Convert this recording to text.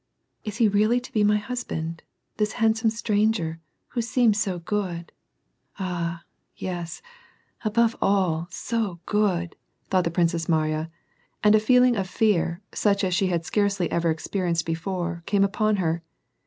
" Is he really to be my husband, this handsome stranger, who seems so good ; ah, yes, above all, so good !" thought the Princess Mariya, and a feeling of fear, such as she had scarcely ever experienced before, came upon her.